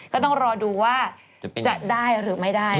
ก็ต้องรอดูว่าจะได้หรือไม่ได้